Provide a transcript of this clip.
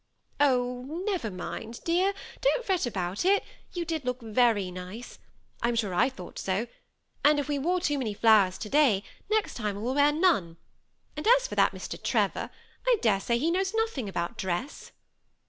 " Oh, never mind, dear ; don't fret about it ; you did look very nice. Tm sure I thought so ; and it^f^^^yjre too many flowers to day, next time we will wear none ; and as for that Mr. Trevor, I dare say he knows nothing about dress."